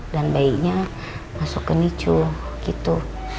dan bayinya masuk ke micu gitu